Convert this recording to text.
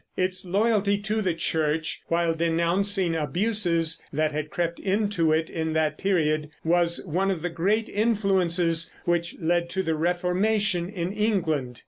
Its loyalty to the Church, while denouncing abuses that had crept into it in that period, was one of the great influences which led to the Reformation in England.